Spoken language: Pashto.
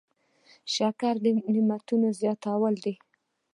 شکر د نعمتونو زیاتوالی دی.